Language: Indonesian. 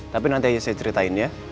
tapi nanti saya ceritain ya